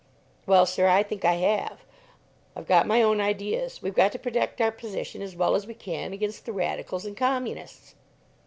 "Well, sir; I think I have. I've got my own ideas. We've got to protect our position as well as we can against the Radicals and Communists."